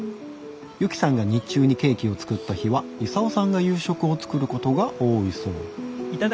ゆきさんが日中にケーキを作った日はイサオさんが夕食を作ることが多いそう。